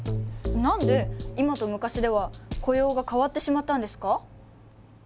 何で今と昔では雇用が変わってしまったんですか？